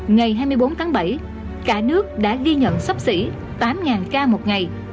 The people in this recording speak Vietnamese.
ngày hai mươi bốn tháng bảy cả nước đã ghi nhận sắp xỉ tám ca một ngày